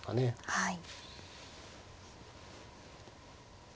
はい。